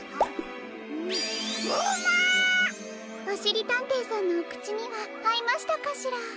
おしりたんていさんのおくちにはあいましたかしら？